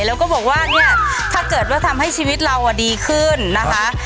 แล้วก็บอกว่าเนี่ยถ้าเกิดว่าทำให้ชีวิตเราดีขึ้นนะคะ